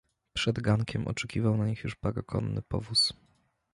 "Przed gankiem oczekiwał na nich już parokonny powóz."